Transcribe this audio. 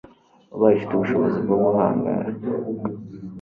ubaye ufite ubushobozi bwo guhangara